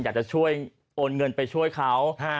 อยากจะช่วยโอนเงินไปช่วยเขา